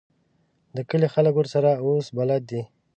د کلي خلک ورسره اوس بلد دي.